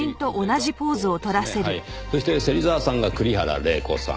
そして芹沢さんが栗原玲子さん。